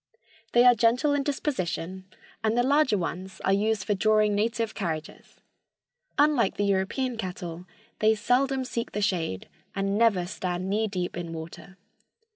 They are gentle in disposition and the larger ones are used for drawing native carriages. Unlike the European cattle, they seldom seek the shade, and never stand knee deep in water.